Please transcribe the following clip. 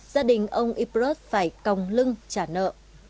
gia đình ông ypert phải còng lưng trả nợ